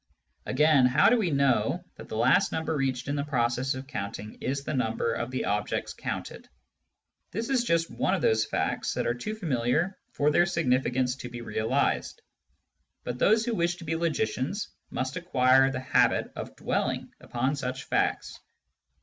Again, how do we know that the last number reached in the process of counting is the number of the objects counted ? This is just one of those facts that are too familiar for their significance to be realised ; but those who wish to be logicians must acquire the habit of dwelling upon such facts.